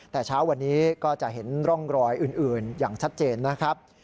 แต่เช้าวันนี้ก็จะเห็นร่องรอยอื่นอย่างชัดเจนนะครับ